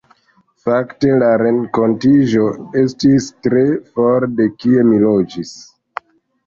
Fakte la renkontiĝo estis tre for de kie mi loĝis.